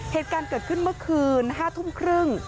เหตุการณ์เกิดขึ้นเมื่อคืน๐๕๓๐น